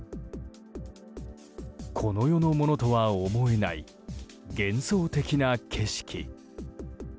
この世のものとは思えない幻想的な景色。